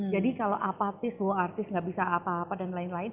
jadi kalau apatis woartis gak bisa apa apa dan lain lain